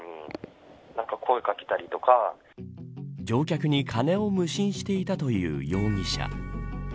乗客に金を無心していたという容疑者。